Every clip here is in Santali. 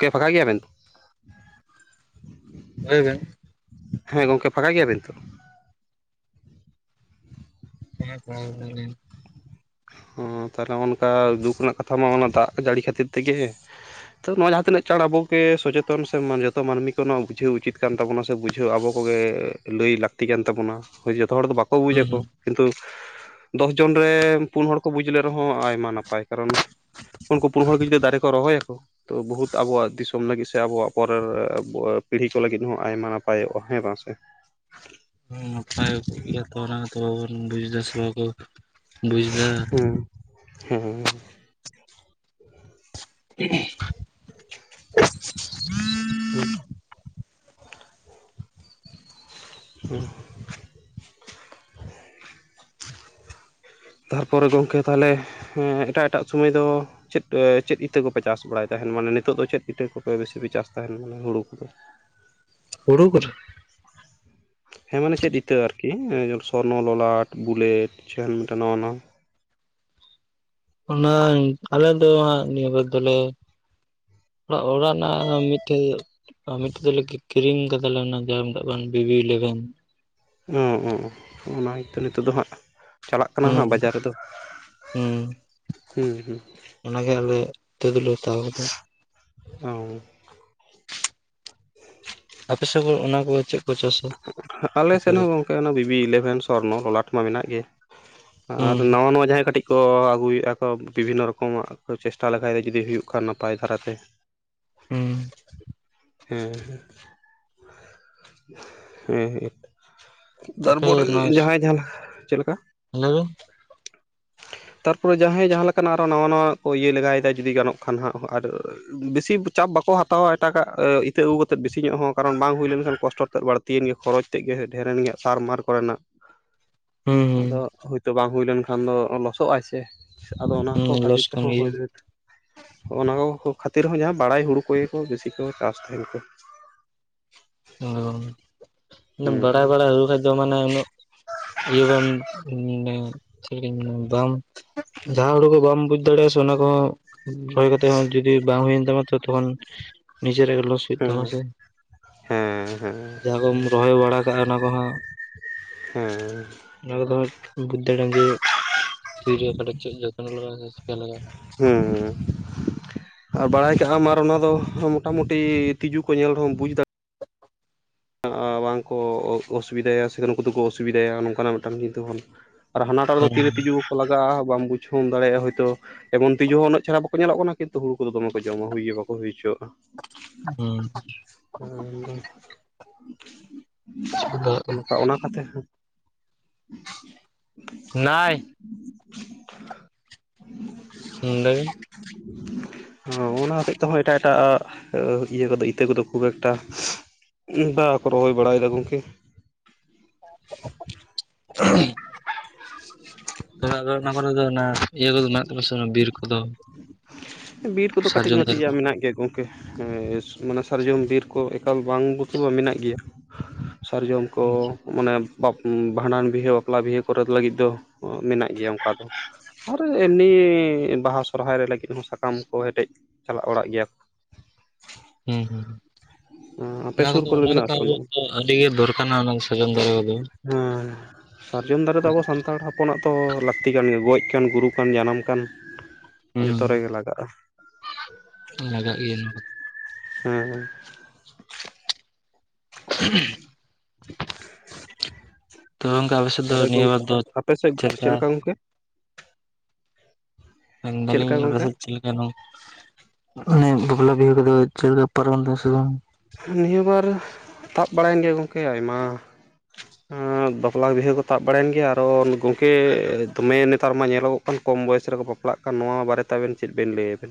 ᱠᱮ ᱯᱷᱟᱠᱟ ᱜᱮᱭᱟ ᱵᱮᱱ? ᱞᱟᱹᱭᱵᱤᱱ᱾ ᱦᱮᱸ ᱜᱚᱝᱠᱮ ᱯᱷᱟᱠᱟ ᱜᱮᱭᱟᱵᱤᱱ? [unintelligible] ᱚᱸ ᱛᱟᱦᱚᱞᱮ ᱦᱚ ᱚᱱᱠᱟ ᱫᱩᱠ ᱨᱮᱱᱟᱜ ᱠᱟᱛᱷᱟ ᱢᱟ ᱚᱱᱟ ᱫᱟᱜ ᱡᱟᱹᱲᱤ ᱠᱷᱟᱹᱛᱤᱨ ᱛᱮᱜᱮᱼᱼ ᱛᱚ ᱱᱚᱣᱟ ᱡᱟᱦᱟᱸ ᱛᱤᱱᱟᱹᱜ ᱪᱟᱬ ᱟᱵᱚᱮ ᱥᱚᱡᱮᱛᱚᱱ ᱥᱮ ᱡᱚᱛᱚ ᱢᱟᱹᱱᱢᱤ ᱠᱚ ᱱᱚᱣᱟ ᱵᱩᱡᱷᱟᱹᱣ ᱩᱪᱤᱛ ᱠᱟᱱ ᱛᱟᱵᱚᱱᱟ ᱥᱮ ᱵᱩᱡᱼᱼ ᱪᱷᱩ ᱟᱵᱚ ᱠᱚᱜᱮ ᱞᱟᱹᱭ ᱞᱟᱹᱠᱛᱤ ᱠᱟᱱ ᱛᱟᱵᱚᱱᱟᱭ ᱡᱚᱛᱚ ᱦᱚᱲ ᱫᱚ ᱵᱟᱠᱚᱼᱼ ᱠᱚ ᱵᱩᱡ ᱦᱩᱸ ᱟᱠᱠᱚ ᱦᱩᱸ ᱠᱤᱱᱛᱩ ᱫᱚᱥ ᱡᱚᱱ ᱨᱮᱼᱼ ᱯᱩᱱ ᱦᱚᱲ ᱠᱚ ᱵᱩᱡᱽ ᱞᱮ ᱨᱮᱦᱚᱸ ᱟᱭᱢᱟ ᱱᱟᱯᱟᱭ ᱠᱟᱨᱚᱱ ᱩᱱᱠᱩ ᱯᱩᱱ ᱦᱚᱲ ᱜᱮ ᱡᱚᱫᱤ ᱫᱟᱨᱮ ᱠᱚ ᱨᱚᱦᱚ ᱭᱟᱠᱚ ᱛᱚ ᱵᱚᱦᱩᱛ ᱟᱵᱚᱣᱟᱜ ᱫᱤᱥᱚᱢ ᱞᱟᱹᱜᱤᱫ ᱥᱮ ᱟᱵᱚᱣᱟᱜ ᱯᱚᱨᱮᱨ ᱯᱤᱲᱦᱤ ᱠᱚ ᱞᱟᱹᱜᱤᱫ ᱦᱚᱸ ᱟᱭᱢᱟ ᱱᱟᱯᱟᱭᱚᱜᱼᱟ ᱦᱮᱸ ᱵᱟᱝ ᱥᱮ? [unintelligible] ᱱᱟᱯᱟᱭ ᱜᱮᱭᱟ ᱛᱚᱱᱟ ᱛᱚ ᱵᱟᱵᱚᱱ ᱵᱩᱡ ᱮᱫᱟ ᱥᱚᱵ ᱠᱚ ᱵᱩᱡ ᱮᱫᱟ ᱮᱸᱞᱳ [unintelligible] [unintelligible] [unintelligible] ᱛᱟᱨᱯᱚᱨᱮ ᱜᱚᱝᱠᱮ ᱛᱟᱦᱞᱮ ᱮᱴᱟᱜ ᱮᱴᱟᱜ ᱥᱚᱢᱚᱭ ᱫᱚ, ᱪᱮᱫ ᱪᱮᱫ ᱤᱛᱟᱹ ᱠᱚᱯᱮ ᱪᱟᱥ ᱵᱟᱲᱟᱭ ᱛᱟᱦᱮᱱ ᱢᱟᱱᱮ ᱱᱤᱛᱚᱜ ᱫᱚ ᱪᱮᱫ ᱤᱛᱟᱹ ᱠᱚᱯᱮ ᱵᱮᱥᱤ ᱯᱮ ᱪᱟᱥ ᱛᱟᱦᱮᱱ ᱢᱟᱱᱮ ᱦᱩᱲᱩ ᱠᱚᱫᱚ? ᱦᱩᱲᱩ ᱠᱚᱼᱼ ᱦᱮᱸ ᱢᱟᱱᱮ ᱪᱮᱫ ᱤᱛᱟᱹ ᱟᱨᱠᱤ ᱥᱚᱨᱱᱚ ᱞᱚᱞᱟᱴ ᱵᱩᱞᱮᱴ ᱡᱟᱦᱟᱱ ᱢᱤᱫᱴᱮᱱ ᱱᱟᱣᱟ ᱱᱟᱣᱟ᱾ ᱚᱱᱟ ᱟᱞᱮ ᱫᱚᱜ ᱱᱤᱭᱟᱹ ᱠᱚ ᱫᱚᱞᱮᱼᱼ ᱚᱲᱟᱜ ᱚᱲᱟᱜ ᱨᱮᱱᱟᱜ ᱢᱤᱫᱴᱮᱡ ᱢᱤᱫᱴᱮᱡ ᱫᱚᱞᱮ ᱠ ᱠᱤᱨᱤᱧ ᱠᱟᱫᱟᱞᱮ ᱚᱱᱟ ᱡᱟᱦᱟᱸ ᱵᱟᱝ ᱵᱤᱵᱤ ᱤᱞᱮᱵᱷᱮᱱ ᱚ ᱚ ᱚᱱᱟ ᱛᱚ ᱱᱤᱛᱚᱜᱜ ᱫᱚ ᱦᱟᱸᱜ ᱪᱟᱞᱟᱜ ᱠᱟᱱᱟ ᱦᱩᱸ ᱦᱟᱸᱜ ᱵᱟᱡᱟᱨ ᱨᱮᱫᱚ᱾ ᱦᱩᱸ ᱦᱩᱸ ᱦᱩᱸ ᱚᱱᱟᱜᱮ ᱟᱞᱮᱛᱳ ᱫᱚᱞᱮ ᱦᱟᱛᱟᱣ ᱠᱟᱫᱟ᱾ ᱚᱻ [unintelligible] ᱟᱯᱮᱥᱮᱫ ᱦᱚᱲ ᱚᱱᱟ ᱠᱚ ᱪᱮᱫᱼᱼ ᱟᱞᱮ ᱥᱮᱫ ᱦᱚᱸ ᱜᱚᱝᱠᱮ ᱚᱱᱟ ᱵᱤᱵᱤ ᱤᱞᱮᱵᱷᱮᱱ ᱥᱚᱨᱱᱚ ᱞᱚᱞᱟᱴ ᱢᱟ ᱢᱮᱱᱟᱜ ᱜᱮ᱾ ᱟᱨ ᱱᱟᱣᱟ ᱱᱟ ᱡᱟᱦᱟᱸᱭ ᱠᱟᱹᱴᱤᱡᱼᱼ ᱠᱚ ᱟᱹᱜᱩᱭᱮᱫᱼᱟ ᱠᱚ ᱵᱤᱵᱷᱤᱱᱱᱚ ᱨᱚᱠᱚᱢᱟᱜ ᱠᱚ ᱪᱮᱥᱴᱟ ᱞᱮᱠᱷᱟ ᱫᱚ ᱡᱩᱫᱤ ᱦᱩᱭᱩᱜ ᱠᱷᱟᱱ ᱱᱟᱯᱟᱭ ᱫᱷᱟᱨᱟᱛᱮ, ᱦᱮᱸ ᱦᱮᱸ ᱦᱮᱸ ᱛᱟᱯᱮ ᱛᱟᱨᱯᱚᱨ ᱡᱟᱦᱟᱸᱭ ᱡᱟᱦᱟᱸ ᱪᱮᱫ ᱞᱮᱠᱟ? ᱦᱮᱵᱤᱵ ᱛᱟᱨᱯᱚᱨᱮ ᱡᱟᱦᱟᱸᱭ ᱡᱟᱦᱟᱸ ᱞᱮᱠᱟᱱᱟᱜ ᱟᱨᱚ ᱱᱟᱣᱟ ᱱᱟᱣᱟ ᱠᱚ ᱤᱭᱟᱹ ᱞᱮᱜᱟᱭᱮᱫᱟ ᱡᱩᱫᱤ ᱜᱟᱱᱚᱜ ᱠᱷᱟᱱ ᱦᱟᱸᱜ ᱟᱨᱼᱼ ᱵᱮᱥᱤ ᱪᱟᱯ ᱵᱟᱠᱚ ᱦᱟᱛᱟᱣᱟ ᱮᱴᱟᱜᱟᱜ ᱤᱛᱟᱹ ᱟᱹᱜᱩ ᱠᱟ ᱠᱟᱛᱮᱮᱫ ᱵᱮᱥᱤ ᱧᱚᱜ ᱦᱚᱸ ᱠᱟᱨᱚᱱ ᱵᱟᱝ ᱦᱩᱭ ᱞᱮᱱᱠᱷᱟᱱ ᱠᱚᱥᱴᱚ ᱛᱮᱫ ᱵᱟᱹᱲᱼᱼ ᱞᱟᱹᱛᱤᱭᱮᱱ ᱜᱮ ᱠᱷᱚᱨᱚᱪ ᱛᱮᱫ ᱜᱮ ᱰᱷᱮᱨᱱ ᱜᱮᱭᱟ ᱥᱟᱨᱢᱟᱨ ᱠᱚᱨᱮᱱᱟᱜ ᱦᱩᱸ ᱦᱩᱸ ᱟᱫᱚ ᱦᱳᱭᱛᱳ ᱵᱟᱝ ᱦᱩᱭ ᱞᱮᱱᱠᱷᱟᱱ ᱫᱚ ᱞᱚᱥᱚᱜᱟᱭ ᱥᱮ ᱟᱫᱚ ᱚᱱᱟ ᱠᱚ ᱦᱩᱸ ᱞᱚᱥ ᱠᱷᱟᱹᱛᱤᱨ ᱠᱟᱱ ᱛᱮᱦᱚᱸᱼᱼ ᱜᱮᱭᱟ ᱜ ᱚᱱᱟ ᱠᱚ ᱠᱷᱟᱹᱛᱤᱨ ᱦᱚᱸ ᱡᱟᱦᱟᱸ ᱵᱟᱲᱟᱭ ᱦᱩᱲᱩ ᱠᱚᱜᱮ ᱠᱚ ᱵᱮᱥᱤ ᱠᱚ ᱪᱟᱥ ᱛᱟᱦᱮᱱ ᱠᱚ ᱚ ᱵᱟᱲᱟᱭ ᱦᱩᱸ ᱵᱟᱲᱟᱭ ᱦᱩᱭ ᱠᱷᱟᱱᱡ ᱫᱚ ᱢᱟᱱᱮ ᱩᱱᱟᱹᱜ ᱤᱭᱟᱹᱼᱼ ᱵᱟᱢ ᱡᱟᱦᱟᱸ ᱦᱩᱲᱩ ᱠᱚ ᱵᱟᱢ ᱵᱩᱡ ᱫᱟᱲᱮᱭᱟᱜᱼᱟ ᱥᱮ ᱚᱱᱟ ᱠᱚᱦᱚᱸᱼᱼ ᱨᱚᱦᱚᱭ ᱠᱟᱛᱮ ᱦᱚᱸ ᱡᱩᱫᱤ ᱵᱟᱝ ᱦᱩᱭᱮᱱ ᱛᱟᱢᱟ ᱛᱚ ᱛᱚᱠᱷᱚᱱ ᱱᱤᱡᱮᱨᱟᱜ ᱞᱚᱥ ᱦᱩᱭᱩᱜ ᱦᱮᱸ ᱛᱟᱢᱟ ᱥᱮ, ᱦᱮᱸ ᱡᱟᱦᱟᱸ ᱠᱚᱢ ᱨᱚᱦᱚᱭ ᱵᱟᱲᱟ ᱠᱟᱜᱼᱟ ᱚᱱᱟ ᱠᱚᱦᱚᱸ ᱦᱮᱸ ᱚᱱᱟ ᱠᱚᱫᱚᱟᱸᱜ ᱵᱩᱫᱽᱫᱟᱹ ᱰᱟᱸᱤ ᱛᱤᱨᱠᱟᱰᱟ ᱪᱮᱫ ᱡᱚᱛᱚᱱ ᱞᱟᱜᱼᱟ ᱥᱮ ᱪᱤᱠᱟ ᱞᱟᱜᱟᱜᱼᱟ᱾ ᱦᱮᱸ ᱦᱮᱸᱼᱼ ᱟᱨ ᱵᱟᱲᱟᱭ ᱠᱟᱜᱼᱟᱢ ᱟᱨ ᱚᱱᱟ ᱫᱚ ᱢᱚᱴᱟᱢᱩᱴᱤ ᱛᱤᱡᱩ ᱠᱚ ᱧᱮᱞ ᱨᱮᱦᱚᱢ ᱵᱩᱡᱽ ᱫᱟᱲᱮᱭᱟᱜᱼᱟ᱾ ᱵᱟᱝᱠᱚ ᱚᱥᱩᱵᱤᱫᱷᱟᱭᱟ ᱥᱮᱛᱩ ᱱᱩᱠᱩ ᱫᱚᱠᱚ ᱚᱥᱩᱵᱤᱫᱟ ᱭᱟ ᱱᱚᱝ ᱠᱟᱱᱟᱜ ᱢᱤᱫᱴᱟᱱ ᱡᱤᱱᱛᱩ ᱵᱚᱱᱼᱼ ᱟᱨ ᱦᱟᱱᱟᱴᱟᱜ ᱨᱮᱫᱚ ᱦᱮᱸ ᱦᱮᱸ ᱛᱤᱨᱮ ᱛᱤᱡᱩ ᱣᱚᱠᱚ ᱞᱟᱜᱟᱜᱼᱟ, ᱵᱟᱢ ᱵᱩᱡᱷᱟᱹᱢ ᱫᱟᱲᱮᱭᱟᱜᱼᱟ ᱦᱳᱭᱛᱳ! ᱮᱵᱚᱱ ᱛᱤᱡᱩ ᱦᱚᱸ ᱩᱱᱟᱹᱜ ᱪᱷᱮᱲᱟ ᱵᱟᱠᱚ ᱧᱮᱞᱚᱜ ᱠᱟᱱᱟ᱾ ᱠᱤᱱᱛᱩ ᱦᱩᱲᱩ ᱠᱚᱫᱚ ᱫᱚᱢᱮ ᱠᱚ ᱡᱚᱢᱟ, ᱦᱩᱭ ᱜᱮ ᱣᱟᱠᱚ ᱦᱩᱭ ᱪᱚᱣᱟᱜᱼᱟ᱾ ᱩᱸ, ᱪᱤᱠᱟᱹ ᱫᱟᱲᱮᱭᱟᱜᱼᱟ ᱚᱱᱠᱟ ᱚᱱᱟ ᱠᱟᱛᱮᱦ ᱦᱚᱸ ᱱᱟᱭ᱾ ᱱᱚᱰᱮ ᱜᱮ ᱦᱚᱸ ᱚᱱᱟ ᱦᱚᱛᱮᱜ ᱛᱮᱦᱚᱸ ᱮᱴᱟᱜ ᱮᱴᱟᱜ ᱟᱜ, ᱟ ᱤᱭᱟᱹ ᱠᱚᱫᱚ, ᱤᱛᱟᱹ ᱠᱚᱫᱚ ᱠᱷᱩᱵ ᱮᱠᱴᱟ, ᱩᱸᱦ ᱵᱟᱠᱚ ᱨᱚᱦᱚᱭ ᱵᱟᱲᱟᱭᱮᱫᱟ ᱜᱚᱝᱠᱮ᱾ [inaudible] ᱵᱤᱨᱠᱚ? ᱵᱤᱨ ᱠᱚᱫᱚ ᱥᱟᱨᱡᱚᱢ ᱫᱟᱨᱮ ᱠᱟᱹᱴᱤᱡ-ᱢᱟᱹᱴᱤᱡ ᱠᱚ ᱟᱜ ᱢᱮᱱᱟᱜ ᱜᱮ, ᱜᱚ ᱠᱮᱹᱦ ᱩᱸ ᱤᱥ ᱢᱟᱱᱮ ᱥᱟᱨᱡᱚᱢ ᱵᱤᱨ ᱠᱚ ᱮᱠᱟᱞ ᱵᱟᱝ ᱜᱩᱛᱩᱣᱟ ᱢᱮᱱᱟᱜ ᱜᱮᱭᱟ᱾ ᱥᱟᱨᱡᱚᱢ ᱠᱚ ᱢᱟᱱᱮ ᱵᱟᱵ ᱩᱸ ᱵᱷᱟᱸᱰᱟᱱ ᱵᱤᱦᱟᱹ, ᱵᱟᱯᱞᱟ ᱵᱤᱦᱟᱹ ᱠᱚ ᱞᱟᱹᱜᱤᱫ ᱫᱚ ᱚ ᱢᱮᱱᱟᱜ ᱜᱮᱭᱼᱟ, ᱚᱝᱠᱟ ᱫᱚ᱾ ᱟᱨ ᱮᱢᱱᱤ ᱵᱟᱦᱟ, ᱥᱚᱨᱦᱟᱭ ᱨᱮ ᱞᱟᱹᱜᱤᱫ ᱦᱚᱸ ᱥᱟᱠᱟᱢ ᱠᱚ, ᱦᱮᱰᱮᱡ ᱪᱟᱞᱟᱜ ᱵᱟᱲᱟᱜ ᱜᱮᱹᱭᱟ ᱦᱩᱸ ᱦᱩᱸ ᱚᱸ ᱟᱯᱮ ᱥᱩᱨ ᱠᱚᱨᱮ ᱢᱮᱱᱟᱜᱼᱟ ᱥᱮ ᱵᱟᱱᱩᱜᱼᱟ? ᱟᱹᱰᱤᱜ ᱜᱮ ᱫᱚᱨᱠᱟᱱᱟ ᱜᱚᱝ ᱦᱮᱸ, ᱥᱟᱨᱡᱚᱢ ᱫᱟᱨᱮ ᱫᱚ ᱟᱵᱚ ᱥᱟᱱᱛᱟᱲ ᱦᱚᱯ- -ᱯᱚᱱᱟᱜ ᱫᱚ ᱞᱟᱠᱛᱤ ᱠᱟᱱ, ᱜᱚᱡ ᱠᱟᱱ, ᱜᱩᱨᱩ ᱠᱟᱱ, ᱡᱟᱱᱟᱢ ᱠᱟᱱ ᱦᱩᱸ ᱡᱚᱛᱚ ᱨᱮᱜᱮ ᱞᱟᱜᱟᱜᱼᱟ᱾ ᱞᱟᱜᱟᱜ ᱜᱮᱹᱭᱟ ᱱᱚᱣᱟ ᱠᱚᱫ ᱦᱩᱸ, ᱦᱩᱸ᱾ ᱛᱚ ᱜᱚᱝᱠᱮ, ᱟᱵᱮᱥ ᱫᱚ, ᱫᱟᱨᱮ ᱱᱤᱭᱟᱹ ᱜᱚᱝᱠᱮ ᱵᱟᱨ ᱫᱚ ᱟᱯᱮ ᱥᱮᱫ ᱪᱷᱮᱜ ᱪᱮᱫ ᱞᱮᱠᱟ ᱜᱚᱝᱠᱮ ᱢᱮᱱ ᱪᱮᱫ ᱫᱟᱞᱤᱧ ᱞᱮᱠᱟ ᱟᱯᱮ ᱜᱚᱝᱠᱮ ᱥᱮᱡ ᱪᱮᱞᱮᱠ ᱭᱟᱱᱚᱠ ᱧᱮ ᱵᱟᱯᱞᱟ ᱵᱤᱦᱟᱹ ᱠᱚᱫᱚ ᱪᱷᱮᱞᱠᱟ, ᱯᱟᱨᱚᱢ ᱫᱟ ᱯᱮᱥᱮ ᱵᱟᱝ? ᱩᱸ ᱱᱤᱦᱟᱹ ᱵᱟᱨ ᱛᱟᱵ ᱵᱟᱲᱟᱭᱮᱱ ᱜᱮᱹᱭᱟ, ᱜᱚᱝᱠᱮ᱾ ᱟᱭᱢᱟ ᱟᱸ ᱵᱟᱯᱞᱟ ᱵᱤᱦᱟᱹ ᱠᱚ ᱛᱟᱵ ᱵᱟᱲᱟᱭᱮᱱ ᱜᱮᱭᱟ, ᱟᱨᱚ ᱜᱚᱝᱠᱮ ᱫᱚᱢᱮ ᱱᱮᱛᱟᱨ ᱢᱟ ᱧᱮᱞᱚᱜᱚᱜ ᱠᱟᱱ, ᱠᱚᱢ ᱵᱚᱭᱮᱥ ᱨᱮᱠᱚ ᱵᱟᱯᱞᱟᱜ ᱠᱟᱱ! ᱱᱚᱣᱟ ᱵᱟᱨᱮᱛᱮ ᱟᱵᱮᱱ ᱪᱮᱫ ᱵᱮᱱ ᱞᱟᱹᱭᱟ ᱵᱮᱱ?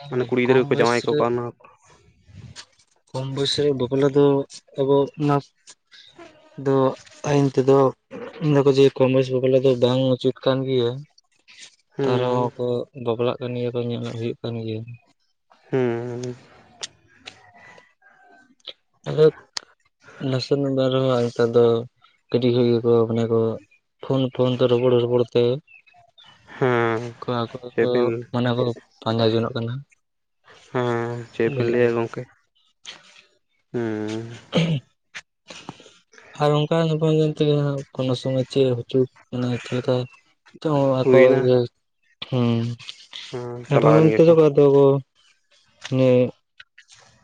ᱮᱢ ᱢᱟᱱᱮ ᱵᱚᱭᱮᱥ, ᱠᱩᱲᱤ ᱜᱤᱫᱽᱨᱟᱹ ᱠᱚᱢ ᱠᱚ ᱵᱚᱭᱮᱥ ᱡᱟᱶᱟᱭ ᱠᱚ ᱨᱮ ᱠᱟᱱᱟ ᱠᱚᱢ ᱵᱚᱭᱮᱥ ᱨᱮ ᱵᱟᱯᱞᱟ ᱫᱚ, ᱟᱵᱚ ᱚᱱᱟ ᱫᱚᱜ, ᱟᱭᱤᱱ ᱛᱮᱫᱚ ᱩᱢ ᱫᱟᱠᱚ, ᱡᱮ ᱠᱚᱢ ᱵᱚᱭᱮᱥ ᱨᱮ ᱵᱟᱯᱞᱟ ᱫᱚ, ᱵᱟᱝ ᱩᱪᱤᱛ ᱠᱟᱱ ᱜᱮᱭᱟ᱾ ᱛᱟ ᱦᱮᱸ ᱨᱮᱦᱚᱸ ᱠᱚ, ᱵᱟᱯᱞᱟᱜ ᱠᱟᱱ ᱜᱮᱭᱟ ᱠᱚ, ᱧᱮᱞᱚᱜ ᱦᱩᱭᱩᱜ ᱠᱟᱱ ᱜᱮᱭᱟ᱾ ᱦᱩᱸ! ᱟᱫᱚᱵ ᱱᱟᱥᱮ ᱱᱟᱢᱵᱟᱨ ᱟᱨᱢᱟ ᱱᱮᱛᱟᱨ ᱫᱚ ᱠᱟᱹᱴᱤᱡ ᱠᱷᱚᱡ ᱜᱮᱠᱚ, ᱢᱟᱱᱮ ᱠᱚ ᱯᱷᱳᱱ-ᱯᱷᱳᱱ ᱛᱮ, ᱨᱚᱯᱚᱲ-ᱨᱚᱯᱚᱲ ᱛᱮ ᱦᱮᱸ ᱠᱟ ᱠᱚᱨᱮ ᱪᱮᱫ ᱠᱚ, ᱵᱤᱱ ᱢᱟᱱᱮ ᱠᱚ ᱯᱟᱸᱡᱟ ᱡᱚᱱᱚᱜ ᱠᱟᱱᱟ! ᱦᱮᱸ, ᱪᱮᱫ ᱵᱤᱱ ᱞᱟᱹᱭᱟ ᱜᱚᱝᱠᱮ ᱦᱩᱸ! ᱦᱮᱸ ᱦᱟᱨᱚᱝᱠᱟ [inaudible] ᱠᱚᱱᱳ ᱥᱚᱢᱚᱭ ᱪᱮᱜ ᱦᱚᱪᱩᱜ! ᱢᱟᱱᱮ ᱪᱷᱮᱞᱠᱟ ᱪᱚᱸ ᱟᱠᱚ ᱦᱩᱭᱱᱟ [inaudible] ᱦᱩᱸ! [inaudible] ᱦᱮᱸ ᱪᱟᱞᱟᱣᱮᱱ ᱜᱮᱠᱚ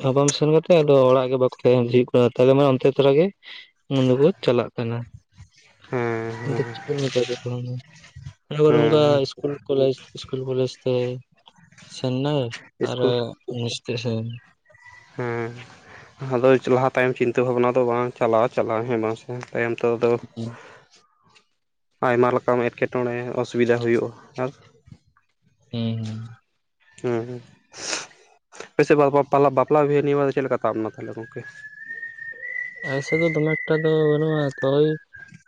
ᱛᱷᱟᱯᱟᱢ ᱥᱮᱱ ᱠᱟᱛᱮ ᱟᱫᱚ, ᱚᱲᱟᱜ ᱜᱮ ᱵᱟᱠᱚ [inaudible] ᱛᱟᱞᱮ ᱢᱟ ᱚᱱᱛᱮ ᱛᱚᱨᱟ ᱜᱮ ᱩᱸ ᱰᱚᱠᱚ ᱪᱟᱞᱟᱜ ᱠᱟᱱᱟ, ᱦᱮᱸ ᱟᱫᱚ ᱦᱮᱸ ᱪᱤᱠᱟᱹᱢ ᱢᱮᱛᱟ ᱠᱚ ᱠᱟᱱᱟ, ᱦᱩᱸ! ᱡᱳᱨ ᱚᱱᱠᱟ ᱦᱮᱸ ᱤᱥᱠᱩᱞ, ᱠᱚᱞᱮᱡᱽ ᱤᱥᱠᱩᱞ, ᱠᱚᱡᱽ ᱦᱮᱸ ᱤᱥᱠᱩᱞ [unintelligible] ᱦᱮᱸ ᱾ ᱟᱫᱚ ᱞᱟᱦᱟ ᱛᱟᱭᱚᱢ ᱪᱤᱱᱛᱟᱹ ᱵᱷᱟᱵᱱᱟ ᱫᱚ ᱵᱟᱝ ᱪᱟᱞᱟᱣ ᱪᱟᱞᱟᱜ-ᱟ ᱦᱮᱸᱥᱮ ᱵᱟᱝ ᱾ᱛᱟᱭᱚᱢ ᱛᱮᱫ ᱦᱮᱸ ᱾ ᱟᱭᱢᱟ ᱞᱮᱠᱟᱱ ᱮᱴᱠᱮᱴᱚᱬᱮ ᱚᱥᱩᱵᱤᱫᱟ ᱦᱩᱭᱩᱜ-ᱟ ᱟᱨ ᱦᱩᱸ ᱦᱩᱸ ᱾ ᱦᱮᱸ ᱦᱮᱸ ᱾ ᱟᱯᱮ ᱥᱮᱫ ᱵᱟᱯᱞᱟ ᱵᱤᱦᱟᱹ ᱱᱤᱭᱟᱹ ᱵᱟᱨ ᱫᱚ ᱪᱮᱫ ᱞᱮᱠᱟ ᱛᱟᱵ ᱛᱟᱞᱦᱮ ᱜᱚᱝᱠᱮ? ᱟᱞᱮ ᱥᱮᱫ ᱫᱚ ᱫᱚᱢᱮ ᱮᱠᱴᱟ ᱫᱚ ᱵᱟᱹᱱᱩᱜ-ᱟ ᱾ ᱛᱚ ᱚᱭ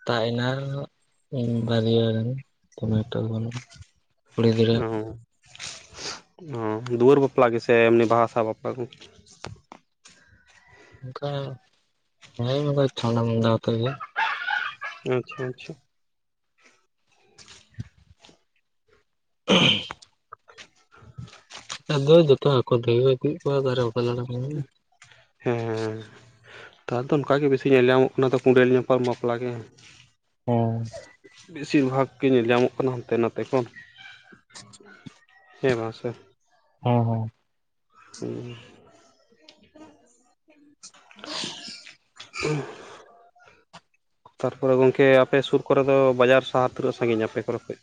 ᱛᱟᱜ ᱮᱱᱟ ᱵᱟᱨᱭᱟ ᱨᱮᱱ ᱾ [unintelligible] ᱚ, ᱚ ᱫᱩᱣᱟᱹᱨ ᱵᱟᱯᱞᱟ ᱜᱮ ᱥᱮ ᱮᱢᱱᱤ ᱵᱟᱦᱟ ᱥᱟᱦᱟᱣ ᱵᱟᱯᱞᱟ ᱠᱚ? ᱚᱱᱠᱟ, ᱦᱳᱭ ᱚᱱᱠᱟ ᱪᱷᱟᱢᱰᱟ ᱢᱟᱢᱰᱟ ᱟᱛᱮᱫ ᱜᱮ ᱾ ᱟᱪᱪᱷᱟ ᱟᱪᱪᱷᱟ ᱾ [inaudible] [inaudible] [inaudible] ᱟᱫᱚ ᱡᱚᱛᱚ ᱟᱠᱚ ᱛᱮᱜᱮ ᱠᱚ ᱤᱫᱤᱭᱮᱫ ᱠᱚᱣᱟ [unintelligible] ᱦᱮᱸ ᱾ ᱱᱮᱛᱟᱨ ᱫᱚ ᱚᱱᱠᱟ ᱜᱮ ᱵᱮᱥᱤ ᱧᱮᱞ ᱧᱟᱢᱚᱜ ᱠᱟᱱᱟ, ᱠᱩᱸᱰᱮᱞ ᱧᱟᱯᱟᱢ ᱵᱟᱯᱞᱟ ᱜᱮ ᱾ ᱚᱻ ᱵᱮᱥᱤᱨ ᱵᱷᱟᱜᱽ ᱜᱮ ᱧᱮᱞ ᱧᱟᱢᱚᱜ ᱠᱟᱱᱟ ᱦᱟᱱᱛᱮ ᱱᱟᱛᱮ ᱠᱷᱚᱱ ᱾ ᱦᱮᱸ ᱢᱟ ᱥᱮ ᱾ ᱦᱚᱸ ᱦᱚᱸ ᱾ ᱦᱩᱸ ᱾ [inaudible] ᱛᱟᱨᱯᱚᱨᱮ ᱜᱚᱝᱠᱮ ᱟᱯᱮ ᱥᱩᱨ ᱠᱚᱨᱮ ᱫᱚ ᱵᱟᱡᱟᱨ ᱥᱟᱦᱟᱨ ᱛᱤᱱᱟᱹᱜ ᱥᱟᱺᱜᱤᱧᱟ ᱟᱯᱮ ᱠᱚᱨᱮ ᱠᱷᱚᱡ?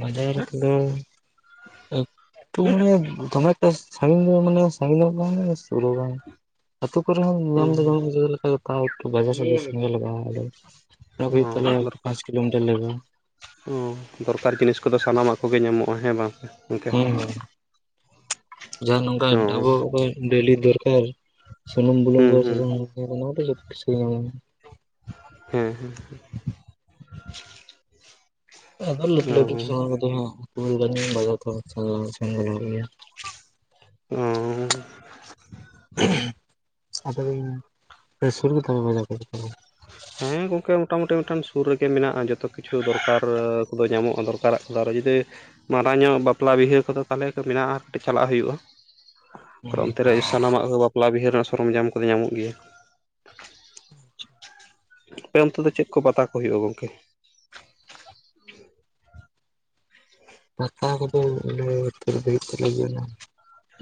ᱵᱟᱡᱟᱨ ᱠᱚ ᱫᱚ ᱛᱚ ᱢᱟᱱᱮ ᱫᱚᱢᱮ ᱮᱠᱴᱟ ᱥᱟᱸᱜᱤᱧ ᱢᱟᱱᱮ ᱥᱟᱸᱜᱤᱧ ᱦᱚᱸ ᱵᱟᱝ ᱥᱩᱨ ᱦᱚᱸ ᱵᱟᱝ ᱾ ᱟᱛᱩ ᱠᱚᱨᱮ ᱦᱚᱸ ᱧᱟᱢ ᱫᱚ ᱧᱟᱢᱚᱜ ᱡᱮᱞᱮᱠᱟ, ᱛᱟᱣ ᱮᱠᱴᱩ ᱵᱟᱡᱟᱨ ᱥᱮᱫ ᱫᱚ ᱥᱮᱱ ᱜᱮ ᱞᱟᱜᱟᱜ-ᱟ ᱾ ᱦᱮᱞᱳ, ᱚᱱᱟ ᱠᱚ ᱦᱩᱭᱩᱜ ᱚ ᱛᱟᱞᱮᱭᱟ ᱫᱚᱨᱠᱟᱨ ᱯᱟᱸᱪ ᱠᱤᱞᱳᱢᱤᱴᱟᱨ ᱞᱮᱠᱟ ᱾ ᱚ, ᱫᱚᱨᱠᱟᱨ ᱡᱤᱱᱤᱥ ᱠᱚᱫᱚ ᱥᱟᱱᱟᱢᱟᱜ ᱠᱚᱜᱮ ᱧᱟᱢᱚᱜ-ᱟ ᱦᱮᱸ ᱵᱟᱝ ᱾ ᱦᱮᱸ ᱾ ᱡᱟᱦᱟᱸ ᱱᱚᱝᱠᱟ ᱚ ᱟᱵᱚ ᱚᱠᱚᱭ ᱰᱮᱞᱤ ᱫᱚᱨᱠᱟᱨ ᱥᱩᱱᱩᱢ ᱵᱩᱞᱩᱢ ᱠᱚ ᱦᱩᱸ ᱦᱩᱸ ᱥᱟᱥᱟᱝ ᱦᱮᱸ ᱱᱚᱣᱟ ᱫᱚ ᱡᱚᱛᱚ ᱠᱤᱪᱷᱩ ᱜᱮ ᱧᱟᱢᱚᱜ-ᱟ ᱾ ᱦᱮᱸ ᱦᱮᱸ ᱾ ᱟᱫᱚ [unintelligible] ᱚ ᱵᱟᱡᱟᱨ ᱫᱚ ᱥᱮᱱ ᱜᱮ ᱞᱟᱜᱟᱜ ᱜᱮᱭᱟ ᱾ ᱚᱻ ᱟᱫᱚ ᱯᱮ ᱥᱩᱨ ᱜᱮ ᱛᱟᱯᱮ ᱵᱟᱡᱟᱨ ᱠᱚ ᱫᱚ ᱾ [inaudible] ᱦᱮᱸ ᱜᱚᱝᱠᱮ ᱢᱚᱴᱟᱢᱩᱴᱤ ᱢᱤᱫᱴᱮᱱ ᱥᱩᱨ ᱨᱮᱜᱮ ᱢᱮᱱᱟᱜ-ᱟ ᱡᱚᱛᱚ ᱠᱤᱪᱷᱩ ᱫᱚᱨᱠᱟᱨ ᱠᱚᱫᱚ ᱧᱟᱢᱚᱜ-ᱟ ᱫᱚᱨᱠᱟᱨᱟᱜ ᱠᱚᱫᱚ ᱾ ᱟᱨᱚ ᱡᱩᱫᱤ ᱢᱟᱨᱟᱝ ᱧᱚᱜ ᱵᱟᱯᱞᱟ ᱵᱤᱦᱟᱹ ᱠᱚᱫᱚ ᱛᱟᱦᱚᱞᱮ ᱢᱮᱱᱟᱜ-ᱟ ᱟᱨ ᱠᱟᱹᱴᱤᱡ ᱪᱟᱞᱟᱜ ᱦᱩᱭᱩᱜ-ᱟ ᱾ ᱛᱟᱞᱮ ᱚᱱᱛᱮ ᱨᱮ ᱥᱟᱱᱟᱢᱟᱜ ᱜᱮ ᱵᱟᱯᱞᱟ ᱵᱤᱦᱟᱹ ᱨᱮᱱᱟᱜ ᱥᱚᱨᱚᱢᱡᱟᱢ ᱠᱚᱫᱚ ᱧᱟᱢᱚᱜ ᱜᱮᱭᱟ ᱾ ᱟᱯᱮ ᱚᱱᱛᱮ ᱫᱚ ᱪᱮᱫ ᱠᱚ ᱯᱟᱛᱟ ᱠᱚ ᱦᱩᱭᱩᱜ-ᱟ ᱜᱚᱝᱠᱮ? ᱯᱟᱛᱟ ᱠᱚ ᱫᱚ [unintelligible] ᱦᱩᱭᱩᱜ ᱛᱟᱞᱮ ᱜᱮᱭᱟ ᱱᱟᱦᱟᱜ ᱾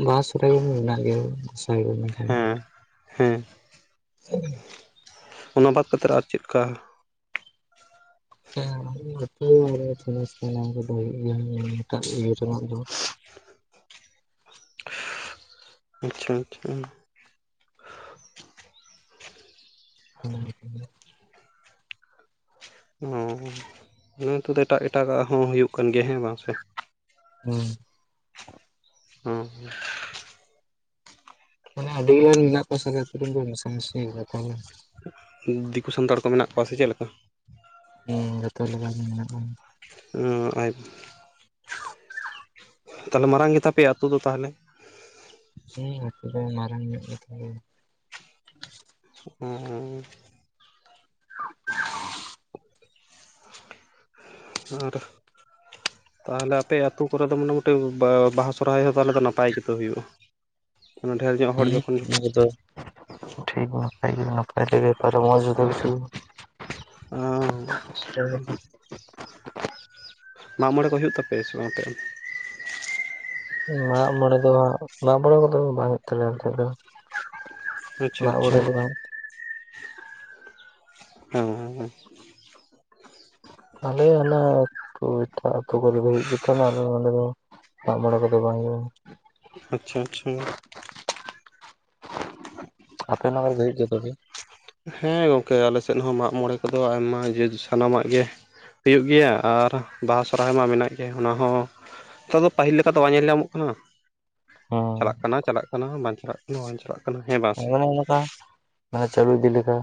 ᱵᱟᱦᱟ ᱥᱩᱨᱦᱟᱭ ᱠᱚᱫᱚ ᱢᱮᱱᱟᱜ ᱜᱮᱭᱟ [unintelligible] ᱦᱮᱸ ᱦᱮᱸ ᱚᱱᱟ ᱵᱟᱫᱽ ᱠᱟᱛᱮᱫ ᱟᱨ ᱪᱤᱫᱠᱟ [unintelligible] ᱟᱪᱪᱷᱟ ᱟᱪᱪᱷᱟ [unintelligible] ᱦᱚᱸ ᱦᱚᱸ ᱚᱱᱟ ᱛᱮ ᱫᱚ ᱮᱴᱟᱜ ᱮᱴᱟᱜᱟᱜ ᱦᱚᱸ ᱦᱩᱭᱩᱜ ᱠᱟᱱ ᱜᱮᱭᱟ ᱦᱮᱸ ᱵᱟᱝ ᱥᱮ ᱦᱩᱸ ᱦᱚᱸ ᱢᱟᱱᱮ ᱟᱹᱰᱤᱜᱟᱱ ᱢᱮᱱᱟᱜ ᱠᱚᱣᱟ ᱥᱮ ᱟᱞᱮ ᱟᱛᱩ ᱨᱮᱱ ᱫᱚ ᱢᱮᱥᱟ ᱢᱮᱥᱤ ᱟᱫᱚ ᱛᱟᱦᱚᱞᱮ ᱫᱤᱠᱩ ᱥᱟᱱᱛᱟᱲ ᱠᱚ ᱢᱮᱱᱟᱜ ᱠᱚᱣᱟ ᱥᱮ ᱪᱮᱫ ᱞᱮᱠᱟ? ᱦᱮᱸ ᱡᱚᱛᱚ ᱞᱮᱠᱟᱱ ᱢᱮᱱᱟᱜ-ᱟ᱾ ᱚ ᱟᱪᱪᱷᱟ ᱛᱟᱦᱞᱮ ᱢᱟᱨᱟᱝ ᱜᱮ ᱛᱟᱯᱮᱭᱟ ᱟᱛᱩ ᱫᱚ ᱛᱟᱦᱞᱮ? ᱦᱮᱸ ᱟᱛᱩ ᱫᱚ ᱢᱟᱨᱟᱝ ᱧᱚᱜ ᱜᱮ ᱛᱟᱞᱮᱭᱟ᱾ ᱚ ᱟᱨ ᱛᱟᱦᱚᱞᱮ ᱟᱯᱮ ᱟᱛᱩ ᱠᱚᱨᱮ ᱫᱚ ᱢᱚᱴᱟᱢᱩᱴᱤ ᱵᱟᱦᱟ ᱥᱚᱨᱦᱟᱭ ᱦᱚᱸ ᱛᱟᱦᱚᱞᱮ ᱫᱚ ᱱᱟᱯᱟᱭ ᱜᱮᱛᱚ ᱦᱩᱭᱩᱜ-ᱟ? ᱚᱱᱟ ᱰᱷᱮᱨ ᱧᱚᱜ ᱦᱚᱲ ᱦᱩᱸ ᱡᱚᱠᱷᱚᱱ ᱚᱱᱟ ᱠᱚᱫᱚ ᱴᱷᱤᱠ ᱱᱟᱯᱟᱭ ᱜᱮ ᱱᱟᱯᱟᱭ ᱛᱮᱜᱮ ᱯᱟᱨᱚᱢᱚᱜ-ᱟ ᱡᱚᱛᱚ ᱠᱤᱪᱷᱩ ᱚ ᱢᱟᱜᱢᱚᱬᱮᱸ ᱠᱚ ᱦᱩᱭᱩᱜ ᱛᱟᱯᱮᱭᱟ ᱥᱮ ᱟᱯᱮ ᱫᱚ? ᱢᱟᱜ ᱢᱚᱸᱬᱮ ᱫᱚ, ᱦᱟᱸᱜ ᱢᱟᱜ ᱢᱚᱸᱬᱮ ᱠᱚᱫᱚ ᱵᱟᱝ ᱦᱩᱭᱩᱜ ᱛᱟᱞᱮᱭᱟ ᱱᱚᱛᱮ ᱫᱚ᱾ ᱟᱪᱪᱷᱟ ᱟᱪᱪᱷᱟ ᱢᱟᱜᱽᱢᱚᱬᱮ ᱨᱮᱢᱟ [unintelligible] ᱛᱟᱦᱞᱮ ᱚᱱᱮ ᱟᱹᱛᱩ ᱮᱴᱟᱜ ᱟᱹᱛᱩ ᱠᱚᱨᱮ ᱫᱚ ᱦᱩᱭᱩᱜ ᱜᱮ ᱛᱟᱦᱮᱱᱟ ᱟᱞᱮ ᱱᱚᱰᱮ ᱫᱚ ᱢᱟᱜᱽ-ᱢᱚᱬᱮᱸ ᱠᱚᱫᱚ ᱵᱟᱝ ᱦᱩᱭᱩᱜᱼᱟ᱾ ᱟᱪᱪᱷᱟ ᱟᱪᱪᱷᱟ᱾ ᱟᱯᱮ ᱦᱚᱸ ᱵᱮᱱ [inaudible] ᱦᱮᱸ ᱜᱚᱠᱮ ᱟᱞᱮ ᱥᱮᱫ ᱦᱚᱸ ᱢᱟᱜ ᱢᱚᱬᱮ ᱠᱚᱫᱚ ᱟᱭᱢᱟ ᱡᱮ ᱥᱟᱱᱟᱢᱟᱜ ᱜᱮ ᱦᱩᱭᱩᱜ ᱜᱮᱭᱟ ᱟᱨ ᱵᱟᱦᱟ, ᱥᱚᱨᱦᱟᱭ ᱢᱟ ᱢᱮᱱᱟᱜ ᱜᱮ ᱚᱱᱟ ᱦᱚᱸ ᱱᱮᱛᱟᱨ ᱫᱚ ᱯᱟᱹᱦᱤᱞ ᱞᱮᱠᱟ ᱛᱚ ᱵᱟᱝ ᱧᱮᱞ ᱧᱟᱢᱚᱜ ᱠᱟᱱᱟ᱾ ᱪᱟᱞᱟᱜ ᱦᱮᱸ ᱠᱟᱱᱟ ᱪᱟᱞᱟᱜ ᱠᱟᱱᱟ ᱵᱟᱝ ᱪᱟᱞᱟᱜ ᱠᱟᱱᱟ ᱵᱟᱝ ᱪᱟᱞᱟᱜ ᱠᱟᱱᱟ ᱦᱮᱸ ᱵᱟᱝ ᱥᱮ? ᱦᱚᱸᱱᱚᱠᱟ ᱢᱟᱱᱮ ᱪᱟᱹᱞᱩ ᱤᱫᱤ ᱞᱮᱠᱟ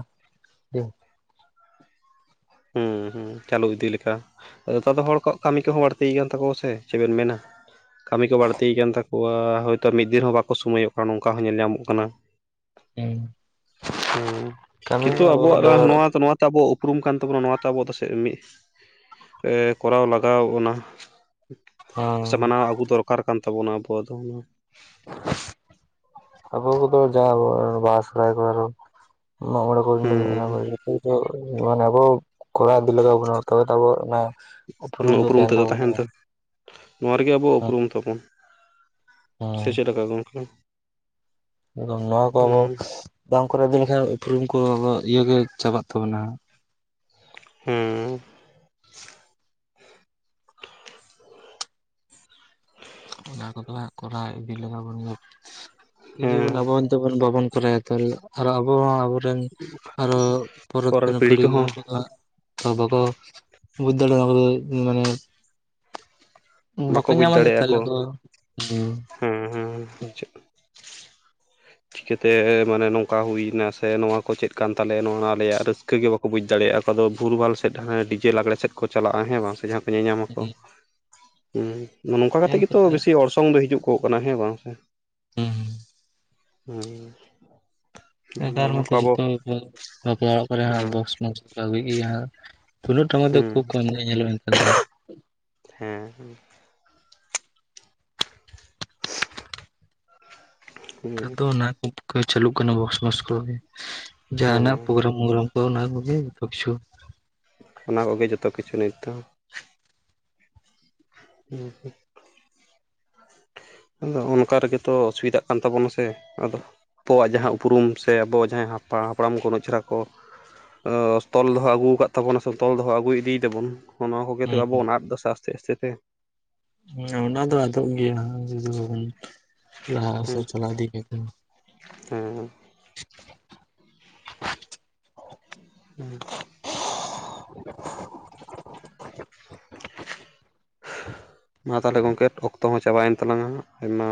ᱜᱮ᱾ ᱦᱩᱸ ᱦᱩᱸ ᱪᱟᱹᱞᱩ ᱤᱫᱤ ᱞᱮᱠᱟ᱾ ᱱᱮᱛᱟᱨ ᱫᱚ ᱦᱚᱲ ᱠᱚᱣᱟᱜ ᱠᱟᱹᱢᱤ ᱠᱚᱦᱚᱸ ᱵᱟᱹᱲᱛᱤᱭ ᱟᱠᱟᱱ ᱛᱟᱠᱚᱣᱟ ᱥᱮ ᱪᱮ ᱵᱮᱱ ᱢᱮᱱᱟ? ᱠᱟᱹᱢᱤ ᱠᱚ ᱵᱟᱹᱲᱛᱤᱭ ᱠᱟᱱ ᱛᱟᱠᱚᱣᱟ, ᱦᱳᱭᱛᱳ ᱢᱤᱫ ᱫᱤᱱ ᱦᱚᱸ ᱵᱟᱠᱚ ᱥᱳᱢᱚᱭᱚᱜ ᱠᱟᱱᱟ ᱱᱚᱝᱠᱟ ᱦᱚᱸ ᱧᱮᱞ ᱧᱟᱢᱚᱜ ᱠᱟᱱᱟ᱾ ᱦᱩᱸ ᱦᱩᱸ ᱠᱟᱹᱢᱤ ᱠᱤᱱᱛᱩ ᱢᱟ ᱟᱵᱚ ᱟᱵᱚᱣᱟᱜ ᱫᱚ ᱱᱚᱣᱟ ᱱᱚᱣᱟᱛᱮ ᱟᱵᱚᱣᱟᱜ ᱩᱯᱨᱩᱢ ᱠᱟᱱ ᱛᱟᱵᱚ ᱱᱚᱣᱟᱛᱮ ᱟᱵᱚ ᱫᱟᱥᱮᱫ ᱢᱤᱜ ᱠᱚᱨᱟᱣ ᱞᱟᱜᱟᱣ ᱵᱚᱱᱟ᱾ ᱦᱮᱸ ᱥᱮ ᱢᱟᱱᱟᱣ ᱟᱹᱜᱩ ᱫᱚᱨᱠᱟᱨ ᱠᱟᱱ ᱛᱟᱵᱚᱱᱟ ᱟᱵᱚᱣᱟᱜ ᱫᱚ, ᱟᱵᱚ ᱠᱚᱫᱚ [unintelligible] ᱢᱟᱜ ᱢᱚᱬᱮ ᱠᱚ [unintelligible] ᱦᱩᱸ ᱟᱵᱚ ᱫᱚ ᱢᱟᱱᱮ ᱟᱵᱚ ᱠᱚᱲᱟᱣ ᱫᱤ ᱞᱟᱜᱟᱣ ᱟᱵᱚᱱᱟ ᱛᱚᱵᱮ ᱛᱚ ᱟᱵᱚ ᱱᱟ ᱱᱚᱣᱟ ᱩᱯᱨᱩᱢ ᱛᱮᱫᱚ ᱛᱟᱦᱮᱱ ᱛᱮ ᱱᱚᱣᱟ ᱨᱮᱜᱮ ᱟᱵᱚ ᱦᱮᱸ ᱩᱯᱨᱩᱢ ᱛᱟᱵᱚᱱ᱾ ᱥᱮ ᱪᱮᱜ ᱞᱮᱠᱟ ᱜᱚᱝᱠᱮ? ᱮᱫᱚᱢ ᱱᱚᱣᱟ ᱠᱚ ᱟᱵᱚ ᱦᱩᱸ ᱵᱟᱝ ᱠᱚ ᱨᱮᱵᱮᱱ ᱠᱷᱟᱱ ᱩᱯᱨᱩᱢ ᱠᱚ ᱟᱫᱚ ᱤᱭᱟᱹ ᱜᱮ ᱪᱟᱵᱟᱜ ᱛᱟᱵᱚᱱᱟ᱾ ᱦᱩᱸ᱾ ᱚᱱᱟ ᱠᱚᱫᱚ ᱦᱟᱸᱜ ᱠᱚᱨᱟᱣ ᱤᱫᱤ ᱞᱟᱜᱟᱣ ᱵᱚᱱ ᱜᱮᱭᱟ, ᱡᱩᱫᱤ ᱵᱚᱱ ᱦᱮᱸ ᱟᱵᱚ ᱢᱮᱱᱛᱮ ᱵᱚᱱ ᱵᱟᱵᱚᱱ ᱠᱚᱨᱟᱭᱟ ᱛᱚᱞ ᱟᱨ ᱟᱵᱚ ᱦᱚᱸ ᱟᱵᱚᱨᱮᱱ ᱟᱨᱚ ᱯᱚᱨᱚᱵᱽ ᱯᱚᱨᱮᱨ ᱛᱮᱱ ᱯᱤᱲᱦᱤ ᱠᱚᱦᱚᱸ ᱩᱱᱠᱩ ᱫᱚ ᱦᱟᱸᱜ ᱟᱵᱚ ᱠᱚ ᱵᱩᱡᱷ ᱫᱟᱲᱮᱸ ᱟᱵᱚ ᱫᱚ ᱢᱟᱱᱮ [inaudible] ᱵᱟᱠᱚ ᱧᱟᱢᱟ ᱛᱷᱟᱞᱮ ᱠᱚ ᱦᱩᱸ ᱦᱮᱸ ᱦᱮᱸ ᱪᱤᱠᱟᱹᱛᱮ ᱢᱟᱱᱮ ᱱᱚᱝᱠᱟ ᱦᱩᱭᱮᱱᱟ ᱥᱮ ᱱᱚᱣᱟ ᱠᱚ ᱪᱮᱫ ᱠᱟᱱ ᱛᱟᱞᱮᱭᱟ ᱱᱚᱣᱟ ᱟᱞᱮᱭᱟᱜ ᱨᱟᱹᱥᱠᱟᱹ ᱜᱮ ᱵᱟᱠ ᱵᱩᱡᱽ ᱫᱟᱲᱮᱭᱟᱜᱼᱟ ᱠᱚ ᱟᱫᱚ ᱵᱷᱩᱞᱵᱷᱟᱞ ᱥᱮᱫ ᱦᱮᱸ ᱰᱤᱡᱮ ᱞᱟᱜᱽᱲᱮᱸ ᱥᱮᱫ ᱠᱚ ᱪᱟᱞᱟᱜᱼᱟ ᱦᱮᱸ ᱵᱟᱝ ᱥᱮ ᱡᱟᱦᱟᱸ ᱧᱧᱟᱢᱟ ᱠᱚ ᱱᱚᱝᱠᱟ ᱠᱟᱛᱮ ᱜᱮᱛᱚ ᱵᱤᱥᱤ ᱚᱨᱥᱚᱝ ᱫᱚ ᱦᱤᱡᱩᱜ ᱠᱚ ᱠᱟᱱᱟ ᱦᱮᱸ ᱵᱟᱝ ᱥᱮ᱾ ᱦᱩᱸ ᱟᱫᱚ ᱱᱮᱛᱟᱨ ᱱᱚᱣᱟ ᱢᱟᱛᱚ ᱠᱚ ᱟᱵᱚ ᱡᱚᱛᱚ ᱠᱚᱜᱮ ᱵᱟᱯᱞᱟ ᱚᱲᱟᱜ ᱠᱚᱨᱮ ᱦᱚᱸ ᱦᱮᱸ ᱵᱚᱠᱥᱼᱢᱚᱠᱥ ᱠᱚ ᱟᱹᱜᱩᱭ ᱜᱮᱭᱟ ᱦᱟᱸᱜ ᱛᱩᱞᱫᱟᱹᱜ ᱴᱟᱢᱟᱠ ᱫᱚ ᱦᱩᱸ ᱠᱷᱩᱵ ᱠᱚᱢ ᱜᱮ ᱧᱮᱞᱚᱜᱼᱟ ᱮᱱᱠᱷᱟᱱ ᱫᱚ᱾ ᱦᱮᱸ ᱦᱮᱸ, ᱦᱩᱸ ᱠᱷᱟᱛᱚ ᱱᱟᱜ [unintelligible] ᱪᱷᱟᱹᱞᱩᱜ ᱠᱟᱱᱟ ᱵᱚᱠᱥ-ᱢᱚᱠᱥ ᱠᱚᱜᱮ ᱡᱟᱦᱟᱱᱟᱜ ᱦᱮᱸ ᱯᱨᱳᱜᱨᱟᱢ ᱢᱳᱜᱨᱟᱢ ᱛᱚ ᱚᱱᱟ ᱠᱚᱜᱮ [inaudible] ᱚᱱᱟ ᱠᱚᱜᱮ ᱡᱚᱛᱚ ᱠᱤᱪᱷᱩ ᱱᱤᱛ ᱫᱚ᱾ ᱴᱷᱤᱠ ᱟᱪᱷᱟ [inaudible] ᱟᱫᱚ ᱚᱝᱠᱟ ᱨᱮᱜᱮ ᱛᱚ ᱚᱥᱩᱵᱤᱫᱟᱜ ᱠᱟᱱ ᱛᱟᱵᱚᱱᱟ ᱥᱮ ᱟᱫᱚ ᱟᱯᱚᱣᱟᱜ ᱡᱟᱦᱟᱸ ᱩᱯᱨᱩᱢ ᱥᱮ ᱟᱵᱚ ᱡᱟᱦᱟᱸ ᱦᱟᱯᱟ ᱦᱟᱯᱲᱟᱢ ᱠᱚ ᱩᱱᱟᱹᱜ ᱪᱮᱦᱨᱟ ᱠᱚ ᱚᱻ ᱛᱚᱞ ᱫᱚᱦᱚ ᱟᱹᱜᱩ ᱠᱟᱜ ᱛᱟᱵᱚᱱᱟ ᱥᱮ ᱛᱚᱞ ᱫᱚᱦᱚ ᱟᱹᱜᱩᱭ ᱤᱫᱤᱭ ᱫᱟᱵᱚᱱ ᱚᱱᱟ ᱠᱚᱜᱮ ᱛᱚ ᱟᱵᱚ ᱦᱩᱸ ᱵᱚᱱ ᱟᱫ ᱮᱫᱟ ᱥᱮ ᱟᱥᱛᱮ ᱟᱥᱛᱮ ᱛᱮ᱾ ᱦᱮᱸ ᱚᱱᱟ ᱫᱚ ᱟᱫᱚᱜ ᱜᱮᱭᱟ ᱡᱩᱫᱤ ᱵᱟᱵᱚᱱ ᱞᱟᱦᱟ ᱥᱮ ᱪᱟᱞᱟᱣ ᱤᱫᱤ ᱞᱮᱠᱷᱟᱱ᱾ ᱦᱮᱸ [inaudible] ᱢᱟ ᱛᱟᱦᱚᱞᱮ ᱜᱚᱝᱠᱮᱴ ᱚᱠᱛᱚ ᱦᱚᱸ ᱪᱟᱵᱟᱭᱮᱱ ᱛᱟᱞᱟᱝ ᱟᱭᱢᱟ